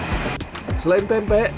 selain pempek di sini anda juga bisa menikmati